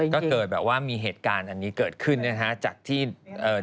ก็มีเหตุการณ์อันนี้เกิดขึ้นจากที่